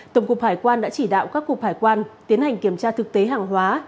tổng cục hải quan đã chỉ đạo các cục hải quan tiến hành kiểm tra thực tế hàng hóa